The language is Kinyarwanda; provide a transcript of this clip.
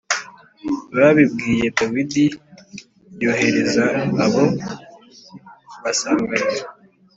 Babibwiye Dawidi yohereza abo kubasanganira